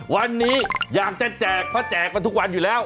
วันนี้อยากจะแจกเพราะแจกกันทุกวันอยู่แล้ว